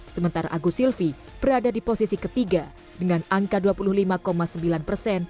sementara agus silvi berada di posisi ketiga dengan angka dua puluh lima sembilan persen